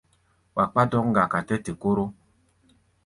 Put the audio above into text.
Wa kpá dɔ̌k-ŋgaka tɛ té-koro.